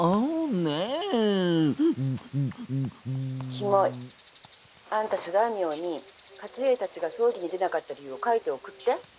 「きもい。あんた諸大名に勝家たちが葬儀に出なかった理由を書いて送って」。